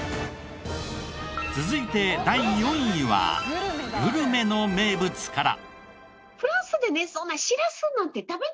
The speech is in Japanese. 続いて第４位はグルメの名物から。